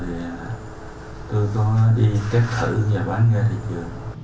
thì tôi có đi trách thử nhà bán nhà thị trường